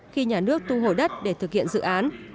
khi nhà nước tu hồi đất để thực hiện dự án